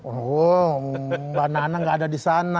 oh mbak nana gak ada disana